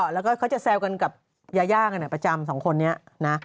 แล้วก็จะแซวกันกับย่ากับสองคนนี้นะ